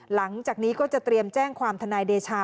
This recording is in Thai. หลังจากนี้ก็จะเตรียมแจ้งความทนายเดชา